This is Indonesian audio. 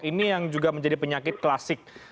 ini yang juga menjadi penyakit klasik